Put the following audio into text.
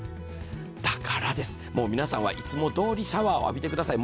だからです、皆さんはいつも通りシャワーを浴びてください。